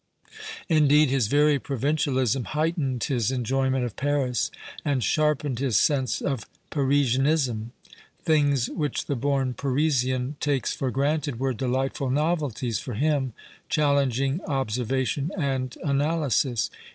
Indeed, his very provincialism heightened his enjoyment of Paris and sharpened his sense of Parisianism. Things which the born Parisian takes for granted were delightful novelties for him, chal lenging observation and analysis.